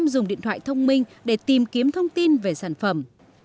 bảy mươi năm dùng điện thoại thông minh để tìm kiếm thông tin về sản phẩm